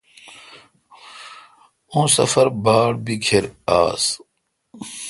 اؙں سفر باڑ بیکھر آس۔